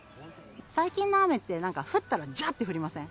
最近の雨って、なんか降ったら、じゃって降りません？